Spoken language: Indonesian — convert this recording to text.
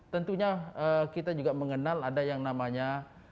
tentunya kita juga mengenal ada yang namanya